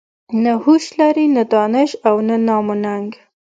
نه هوش لري نه دانش او نه نام و ننګ.